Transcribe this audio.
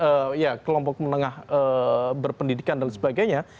mereka yang memiliki cara pandang kelompok menengah berpendidikan dan lain sebagainya